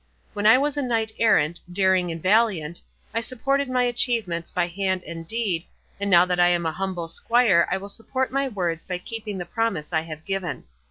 When I was a knight errant, daring and valiant, I supported my achievements by hand and deed, and now that I am a humble squire I will support my words by keeping the promise I have given.